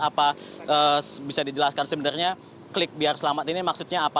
apa bisa dijelaskan sebenarnya klik biar selamat ini maksudnya apa